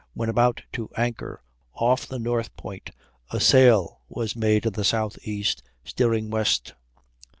when about to anchor off the north point, a sail was made in the southeast, steering west.